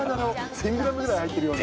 １０００グラムぐらい入っているような。